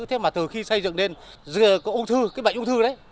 thế mà từ khi xây dựng đến dưới cái bệnh ung thư đấy